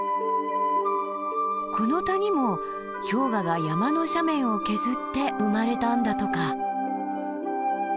この谷も氷河が山の斜面を削って生まれたんだとか。